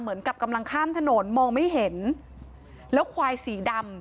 เหมือนกับกำลังข้ามถนนมองไม่เห็นแล้วควายสีดำ